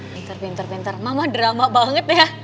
pinter pinter pinter mama drama banget ya